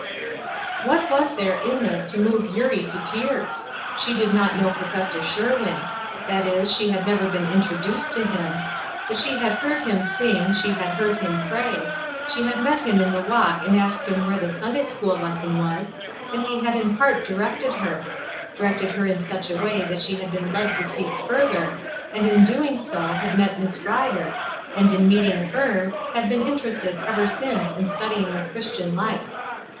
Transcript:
'" What was there in this to move Eurie to tears? She did not know Prof. Sherwin that is, she had never been introduced to him but she had heard him sing, she had heard him pray, she had met him in the walk and asked where the Sunday school lesson was, and he had in part directed her directed her in such a way that she had been led to seek further, and in doing so had met Miss Ryder, and in meeting her had been interested ever since in studying a Christian life.